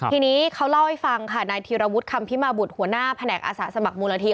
ทีนี้เขาเล่าให้ฟังค่ะนายธีรวุฒิคำพิมาบุตรหัวหน้าแผนกอาสาสมัครมูลนิธิ